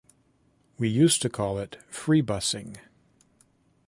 We used to call it freebussing.